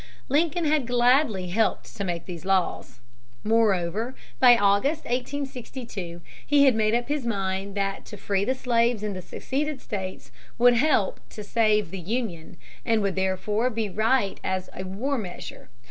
Lincoln had gladly helped to make these laws. Moreover, by August, 1862, he had made up his mind that to free the slaves in the seceded states would help "to save the Union" and would therefore be right as a "war measure."